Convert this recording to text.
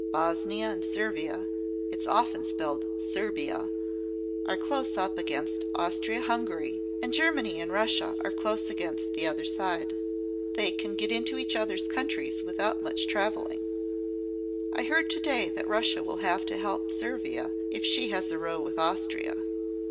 Bosnia and Servia (it's often spelled Serbia) are close up against Austria Hungary, and Germany and Russia are close against the other side. They can get into each other's countries without much travelling. I heard to day that Russia will have to help Servia if she has a row with Austria.